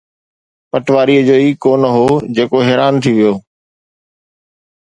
پٹواريءَ جو ئي ڪو نه هو، جيڪو حيران ٿي ويو.